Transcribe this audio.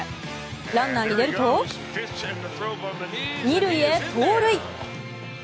ランナーに出ると２塁へ盗塁。